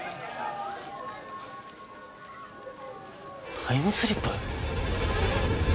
タイムスリップ！？